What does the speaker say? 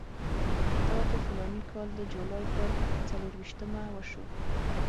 دا د فلاني کال د جولای پر څلېرویشتمه وشو.